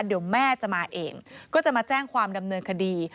เดี๋ยวแม่จะมาเองก็จะมาแจ้งความดำเนินคดี